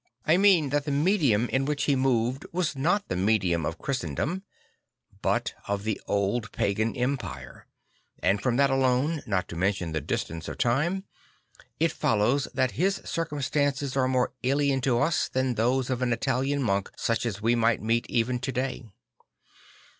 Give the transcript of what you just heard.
I mean that the medium in which He moved was not the medium of Christendom but of the old pagan empire; and from that alone, not to mention the distance of time, it follows that His circum stances are more alien to us than those of an Italian monk such as we might meet even to day.